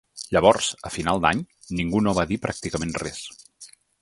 Llavors –a final d’any– ningú no va dir pràcticament res.